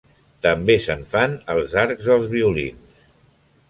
També se'n fan els arcs dels violins.